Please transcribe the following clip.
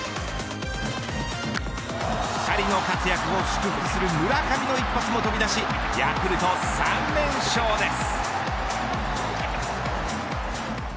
２人の活躍を祝福する村上の一発も飛び出しヤクルト３連勝です。